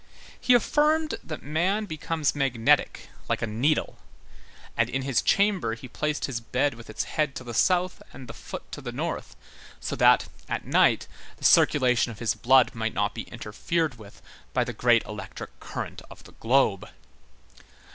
He affirmed that man becomes magnetic like a needle, and in his chamber he placed his bed with its head to the south, and the foot to the north, so that, at night, the circulation of his blood might not be interfered with by the great electric current of the globe.